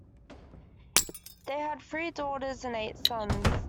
They had three daughters and eight sons.